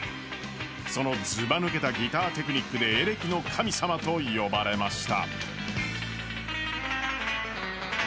そのずば抜けたギターテクニックでエレキの神様と呼ばれました。